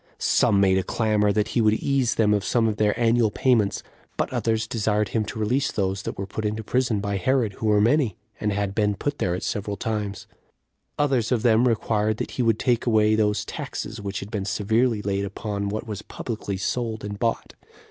Some made a clamor that he would ease them of some of their annual payments; but others desired him to release those that were put into prison by Herod, who were many, and had been put there at several times; others of them required that he would take away those taxes which had been severely laid upon what was publicly sold and bought.